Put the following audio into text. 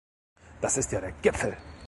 Das ist ja der Gipfel!